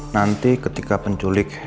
nanti ketika penculik